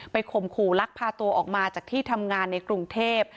ข่มขู่ลักพาตัวออกมาจากที่ทำงานในกรุงเทพ